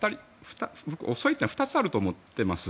遅いっていうのは２つあると思っています。